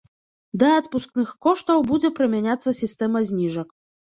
Да адпускных коштаў будзе прымяняцца сістэма зніжак.